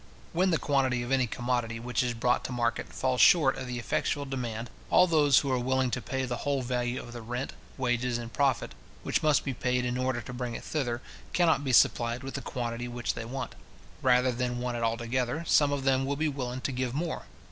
When the quantity of any commodity which is brought to market falls short of the effectual demand, all those who are willing to pay the whole value of the rent, wages, and profit, which must be paid in order to bring it thither, cannot be supplied with the quantity which they want. Rather than want it altogether, some of them will be willing to give more.